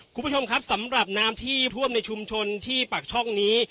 คุณผู้ชมครับสำหรับน้ำที่ท่วมในชุมชนที่ปากช่องนี้